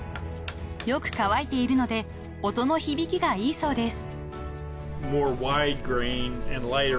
［よく乾いているので音の響きがいいそうです］